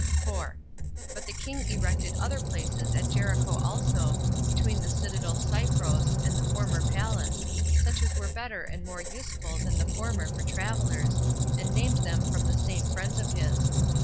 4. But the king erected other places at Jericho also, between the citadel Cypros and the former palace, such as were better and more useful than the former for travelers, and named them from the same friends of his.